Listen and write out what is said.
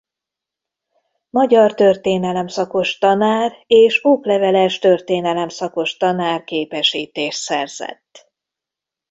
Magyar–történelem szakos tanár és okleveles történelem szakos tanár képesítést szerzett.